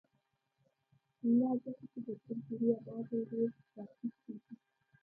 نه ځکه چې پر کلتوري ابعادو ډېر تاکید کېږي.